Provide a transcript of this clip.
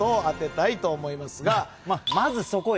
まずそこよ。